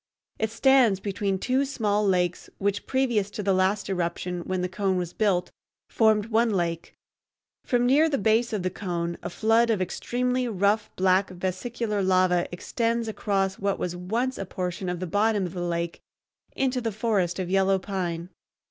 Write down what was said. It stands between two small lakes which previous to the last eruption, when the cone was built, formed one lake. From near the base of the cone a flood of extremely rough black vesicular lava extends across what was once a portion of the bottom of the lake into the forest of yellow pine.